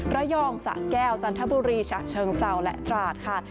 ระยองสะแก้วจันทบุรีฉะเชิงเศร้าและตราดค่ะ